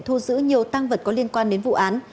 thu giữ nhiều tăng vật có liên quan đến vụ án